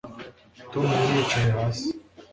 Tom yari yicaye hasi